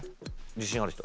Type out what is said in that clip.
自信ある人。